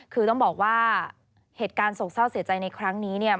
คือต้องบอกว่าเหตุการณ์โศกเศร้าเสียใจในครั้งนี้เนี่ย